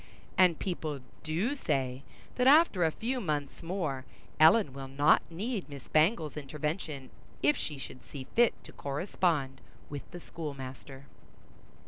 And people do say, that after a few months more, Ellen will not need Miss Bangle's intervention if she should see fit to correspond with the schoolmaster.